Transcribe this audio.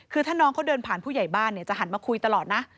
คือถ้าน้องเขาเดินผ่านผู้ใหญ่บ้านจะหันมาคุยตลอดนะ